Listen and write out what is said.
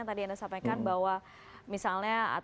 tadi anda sampaikan bahwa misalnya